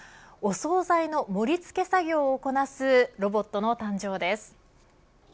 お総菜の盛り付け作業をこなすロボットの誕生です。